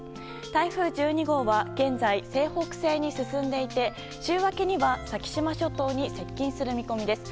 台風１２号は現在西北西に進んでいて週明けには先島諸島に接近する見込みです。